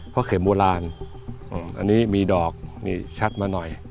เพราะเข็มโบราณอันนี้มีดอกมีชัดมาหน่อย